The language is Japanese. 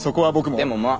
でもまあ